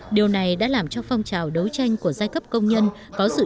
điều này đã làm cho phong trào đấu tranh của giai cấp công nhân và công nhân quốc tế